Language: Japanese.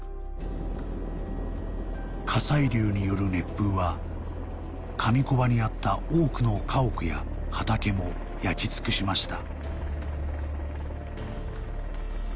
火砕流による熱風は上木場にあった多くの家屋や畑も焼き尽くしました